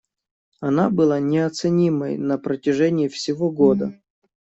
Она была неоценимой на протяжении всего года.